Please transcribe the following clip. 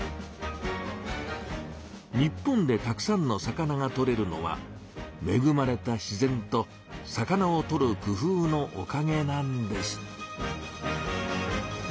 日本でたくさんの魚がとれるのはめぐまれた自然と魚をとる工夫のおかげなんです。